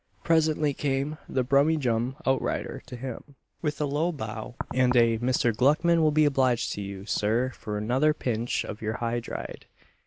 Presently came the "Brummyjum outrider" to him, with a low bow, and a "Mr. Gluckman, will be obliged to you, Sir, for another pinch of your high dried."